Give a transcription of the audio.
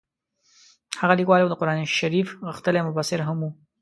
هغه لیکوال او د قران شریف غښتلی مبصر هم وو.